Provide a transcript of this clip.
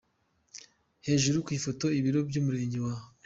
Hejuru ku ifoto: Ibiro by’Umurenge wa Jabana.